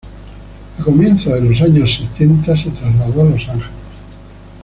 A comienzos de los años setenta, se trasladó a Los Ángeles.